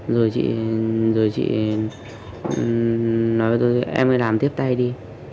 rồi chị rồi chị nói với tôi em mới làm tiếp tay đi